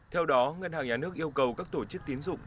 theo đó ngân hàng nhà nước yêu cầu các tổ chức tín dụng